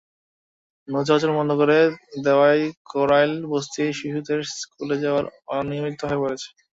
নৌ-চলাচল বন্ধ করে দেওয়ায় কড়াইল বস্তির শিশুদের স্কুলে যাওয়া অনিয়মিত হয়ে পড়েছে।